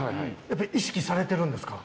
やっぱ意識されてるんですか？